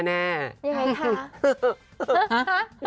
ยังไงคะ